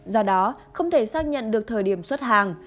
do đó không thể xác nhận được thời điểm xuất hàng